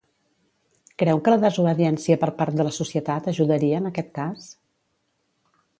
Creu que la desobediència per part de la societat ajudaria en aquest cas?